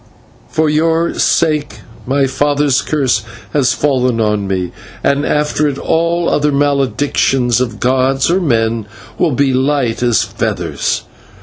For your sake my father's curse has fallen on me, and after it all other maledictions of gods or men will be light as feathers.